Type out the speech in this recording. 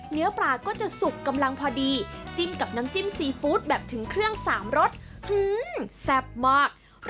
เนื้อปลาก็จะสุกกำลังพอดีจิ้มกับน้ำจิ้มซีฟู้ดแบบถึงเครื่องสามรสแซ่บมาก